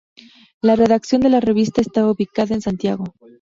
La redacción de la revista estaba ubicada en Santiago.